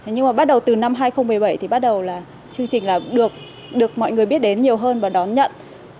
nhưng mà bắt đầu từ năm hai nghìn một mươi bảy thì bắt đầu là chương trình là được mọi người biết đến nhiều hơn và đón nhận